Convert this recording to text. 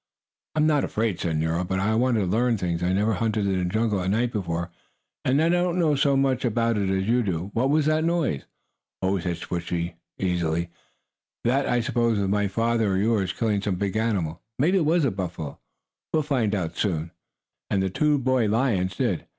"I'm not afraid!" said Nero. "Only, I want to learn things. I never hunted in the jungle at night before, and I don't know so much about it as you do. What was that noise?" "Oh," said Switchie, easily, "that, I suppose, was my father, or yours, killing some big animal. Maybe it was a buffalo. We'll soon find out." And the two boy lions did.